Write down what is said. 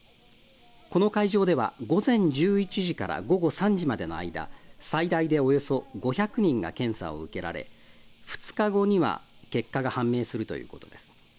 この会場では午前１１時から午後３時までの間、最大でおよそ５００人が検査を受けられ２日後には結果が判明するということです。